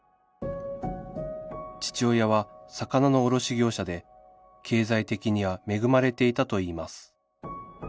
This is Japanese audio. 父親は魚の卸業者で経済的には恵まれていたといいます